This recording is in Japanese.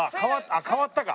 あっ変わったか。